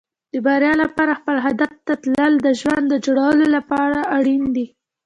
د بریا لپاره خپل هدف ته تلل د ژوند د جوړولو لپاره اړین دي.